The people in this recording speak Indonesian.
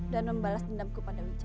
dan membalas dendamku pada wijaya